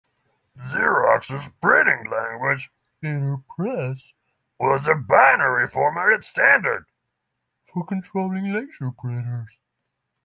Xerox's printing language, Interpress, was a binary-formatted standard for controlling laser printers.